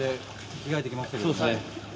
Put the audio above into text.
着替えてきましたけど。